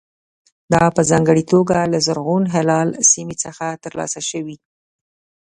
دا په ځانګړې توګه له زرغون هلال سیمې څخه ترلاسه شوي.